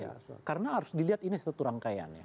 iya karena harus dilihat ini satu rangkaian ya